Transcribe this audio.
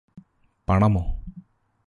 പണമോ